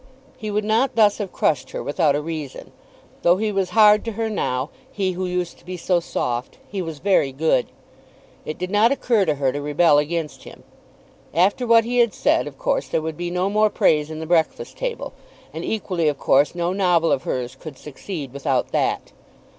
He would not thus have crushed her without a reason. Though he was hard to her now, he who used to be so soft, he was very good. It did not occur to her to rebel against him. After what he had said, of course there would be no more praise in the "Breakfast Table," and, equally of course, no novel of hers could succeed without that.